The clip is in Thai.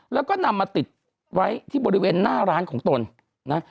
แล้วก็นำมาติดไว้ที่บริเวณหน้าร้านของตนนะ